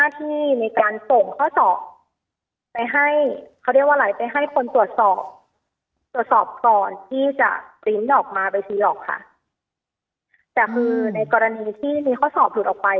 แต่คือในกรณีที่มีข้อสอบหลุดออกไป